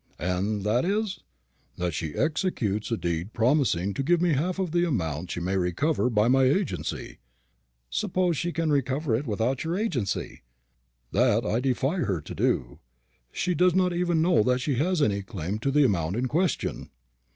"And that is " "That she executes a deed promising to give me half of the amount she may recover by my agency." "Suppose she can recover it without your agency?" "That I defy her to do. She does not even know that she has any claim to the amount in question."